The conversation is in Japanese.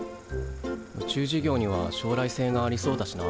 宇宙事業には将来性がありそうだしな。